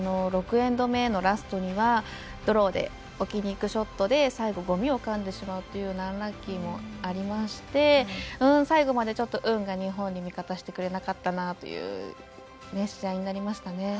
６エンド目のラストにはドローで置きにいくショットで最後、ごみをかんでしまうというようなアンラッキーもありまして最後まで運が日本に味方してくれなかったなっていう試合になりました。